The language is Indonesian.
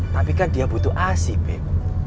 tapi kan dia butuh asi beb